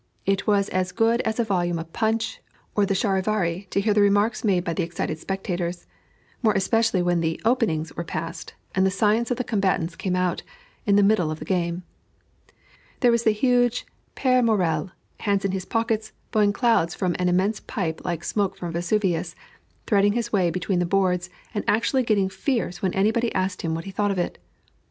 It was as good as a volume of Punch or the Charivari to hear the remarks made by the excited spectators; more especially when the "openings" were past, and the science of the combatants came out, in the middle of the game. There was the huge "Père Morel," hands in his pockets, blowing clouds from an immense pipe like smoke from Vesuvius, threading his way between the boards and actually getting fierce when anybody asked him what he thought of it.